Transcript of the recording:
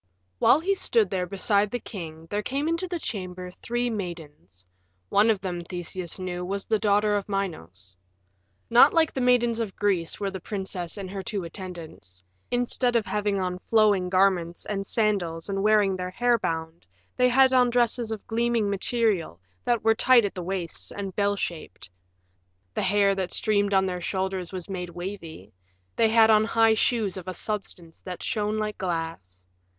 While he stood there beside the king there came into the chamber three maidens; one of them, Theseus knew, was the daughter of Minos. Not like the maidens of Greece were the princess and her two attendants: instead of having on flowing garments and sandals and wearing their hair bound, they had on dresses of gleaming material that were tight at the waists and bell shaped; the hair that streamed on their shoulders was made wavy; they had on high shoes of a substance that shone like glass.